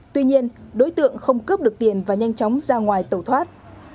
tuy nhiên đối tượng không cướp được tiền và nhanh chóng ra ngoài tẩu thoát